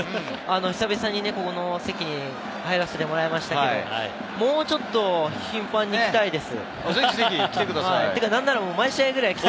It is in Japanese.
久々に、この席に入らせてもらいましたけれど、もうちょっと頻繁に見たいです。